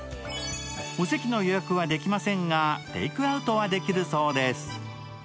お席の予約はできませんがテイクアウトはできるそうです。